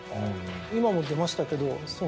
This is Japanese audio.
今も出ましたけどその。